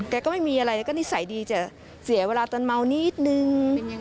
ก็ไม่มีอะไรแล้วก็นิสัยดีจะเสียเวลาตอนเมานิดนึง